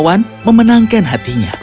menawan memenangkan hatinya